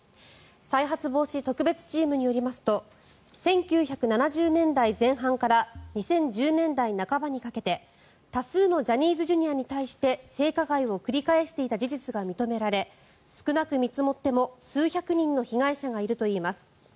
再発防止特別チームによりますと１９７０年代前半から２０１０年代半ばにかけて多数のジャニーズＪｒ．に対して性加害を繰り返していた事実が認められ少なく見積もっても数百人の被害者がいるといいます。